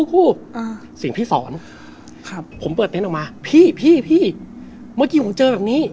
เสียงพี่สอนครับผมเปิดเต็นต์ออกมาพี่พี่เมื่อกี้ผมเจอแบบนี้